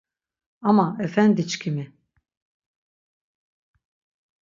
Ama efendi çkimi!